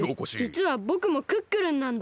じつはぼくもクックルンなんだ！